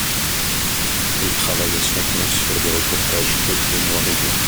Elle travaille à son compte sur des reportages photo noir et blanc.